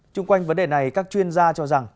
trung quanh vấn đề này các chuyên gia cho rằng